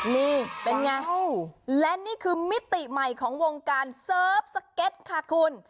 นี่เป็นไงและนี่คือมิติใหม่ของวงการเสิร์ฟสเก็ตค่ะคุณ